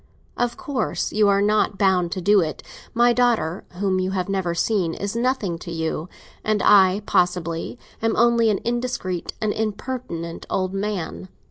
Of course you are not bound to do it. My daughter, whom you have never seen, is nothing to you; and I, possibly, am only an indiscreet and impertinent old man.